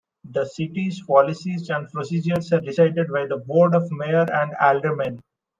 The city's policies and procedures are decided by the Board of Mayor and Aldermen.